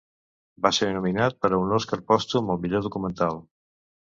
Va ser nominat per a un Oscar pòstum al millor documental.